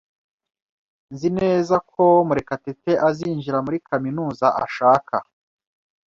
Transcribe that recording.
Nzi neza ko Murekatete azinjira muri kaminuza ashaka.